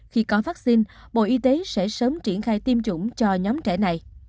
khi có vaccine bộ y tế sẽ sớm triển khai tiêm chủng cho nhóm trẻ này